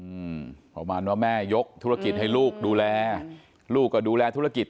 อืมประมาณว่าแม่ยกธุรกิจให้ลูกดูแลลูกก็ดูแลธุรกิจ